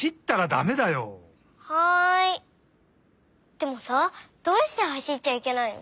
でもさどうしてはしっちゃいけないの？